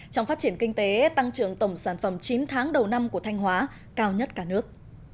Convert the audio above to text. trong phát triển kinh tế tăng trưởng tổng sản phẩm chín tháng đầu năm của thanh hóa cao nhất cả nước